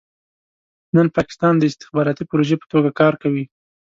نن پاکستان د استخباراتي پروژې په توګه کار کوي.